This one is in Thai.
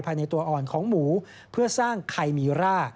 ภายในตัวอ่อนของหมูเพื่อสร้างไข่มีร่า